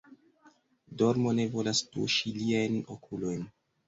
Dormo ne volas tuŝi liajn okulojn.